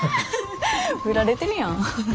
振られてるやん。